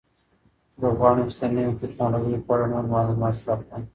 زه غواړم چې د نوې تکنالوژۍ په اړه نور معلومات زده کړم.